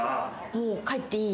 もう帰っていい？